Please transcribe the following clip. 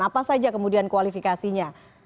apa saja kemudian kualifikasinya